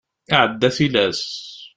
Iɛedda tilas.